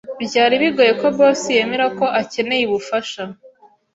Byari bigoye ko Bosi yemera ko akeneye ubufasha.